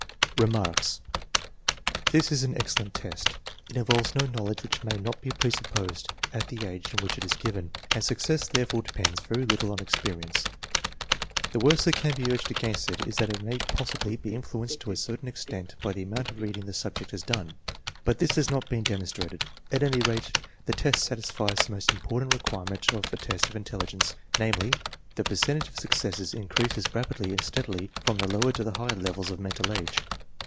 TEST NO. XH, 4 289 Remarks. This is an excellent test. It involves no knowl edge which may not be presupposed at the age in which it is given, and success therefore depends very little on experience. The worst that can be urged against it is that it may possibly be influenced to a certain extent by the amount of reading the subject has done. But this has not been demonstrated. At any rate, the test satisfies the most important requirement of a test of intelligence; namely, the percentage of successes increases rapidly and steadily from the lower to the higher levels of mental age.